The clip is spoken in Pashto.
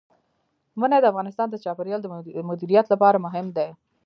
منی د افغانستان د چاپیریال د مدیریت لپاره مهم دي.